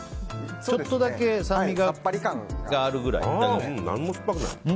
ちょっとだけ酸味があるくらい。